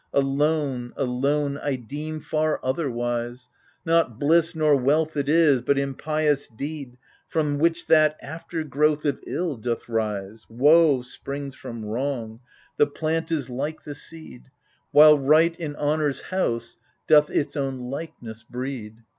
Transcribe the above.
Alone, alone, I deem far otherwise; Not bliss nor wealth it is, but impious deed, From which that after growth of ill doth rise ! Woe springs from wrong, the plant is like the seed — While Right, in honour's house, doth its own likeness breed.